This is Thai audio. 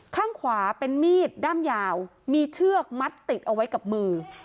ข้างขวาเป็นมีดด้ามยาวมีเชือกมัดติดเอาไว้กับมือ